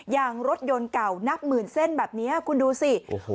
ยางรถยนต์เก่านับหมื่นเส้นแบบนี้คุณดูสิ